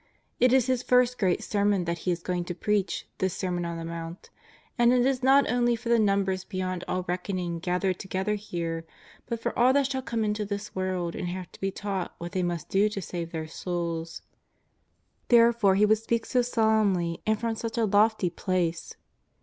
It is His first great Sermon that He is going to preach, this Sermon on the Mount, and it is not only for the numbers beyond all reckoning gathered to gether here, but for all that shall come into this world and have to be taught what they must do to save their souls. Therefore He would speak so solemnly and from such a lofty place.